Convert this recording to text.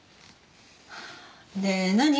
で何？